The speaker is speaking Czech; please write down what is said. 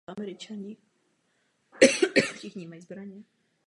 Udivuje mě, že se právo menšin uplatňuje takovýmto moralizujícím způsobem.